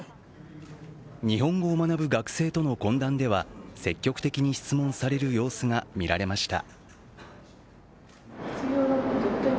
日本語を学ぶ学生との懇談では積極的に質問される様子が見られました。